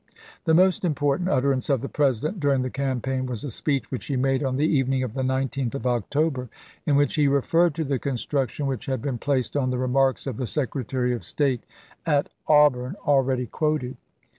The most important utterance of the President during the campaign was a speech which he made on the evening of the 19th of October, in which he referred to the construction which had been placed on the remarks of the Secretary of State at Auburn, 360 ABKAHAM LINCOLN chap, xvl already quoted.